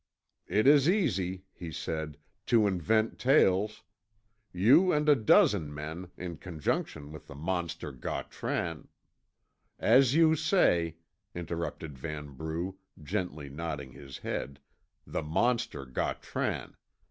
"It is easy," he said, "to invent tales. You and a dozen men, in conjunction with the monster Gautran " "As you say," interrupted Vanbrugh, gently nodding his head, "the monster Gautran.